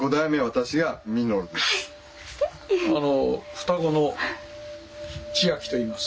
双子の千秋といいます。